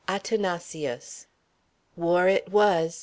ATHANASIUS. War it was.